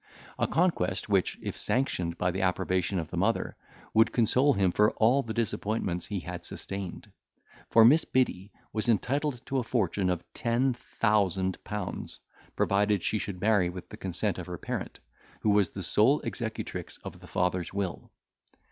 A conquest which, if sanctioned by the approbation of the mother, would console him for all the disappointments he had sustained; for Miss Biddy was entitled to a fortune of ten thousand pounds, provided she should marry with the consent of her parent, who was the sole executrix of the father's will.